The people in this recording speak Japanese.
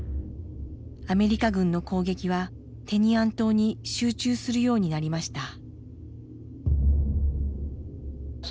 アメリカ軍の攻撃はテニアン島に集中するようになりました。